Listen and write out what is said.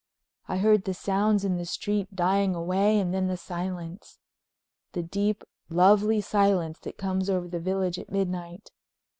I heard the sounds in the street dying away and then the silence, the deep, lovely silence that comes over the village at midnight.